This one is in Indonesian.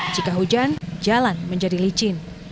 jika hujan jalan menjadi licin